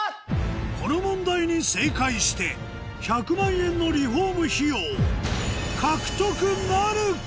この問題に正解して１００万円のリフォーム費用獲得なるか⁉